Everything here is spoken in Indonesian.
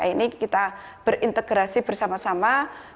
ini kita berintegrasi bersama sama